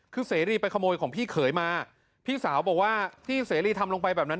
คือเสรีไปขโมยของพี่เขยมาพี่สาวบอกว่าที่เสรีทำลงไปแบบนั้น